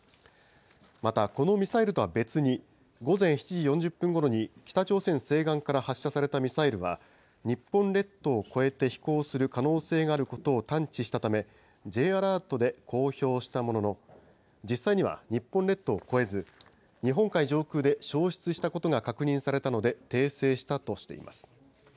また、このミサイルとは別に、午前７時４０分ごろに、北朝鮮西岸から発射されたミサイルは、日本列島を越えて飛行する可能性があることを探知したため、Ｊアラートで公表したものの、実際には日本列島を越えず、日本海上空で消失したことが確認されたので、訂正したとしています。